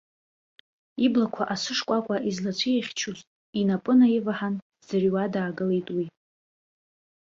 Иблақәа асышкәакәа излацәихьчоз инапы наиваҳан, дӡырҩуа даагылеит уи.